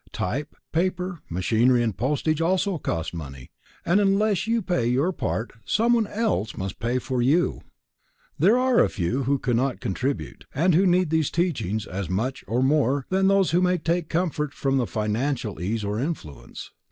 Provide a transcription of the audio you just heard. Type, paper, machinery and postage also cost money, and unless you pay your part someone else must pay for you. There are a few who cannot contribute, and who need these teachings as much or more than those who may take comfort from financial ease or affluence.